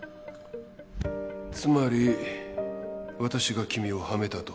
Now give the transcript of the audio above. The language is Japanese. つまり私が君をはめたと？